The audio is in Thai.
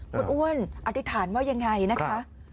คุณอ้วนอธิษฐานว่ายังไงนะคะ